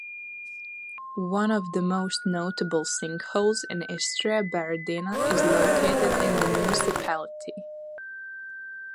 One of the most notable sinkholes in Istria, Baredina, is located in the municipality.